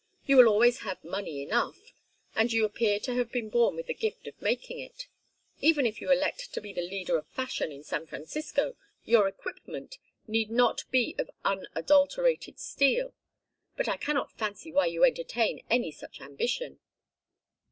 You will always have money enough, and you appear to have been born with the gift of making it. Even if you elect to be the leader of fashion in San Francisco, your equipment need not be of unadulterated steel. But I cannot fancy why you entertain any such ambition."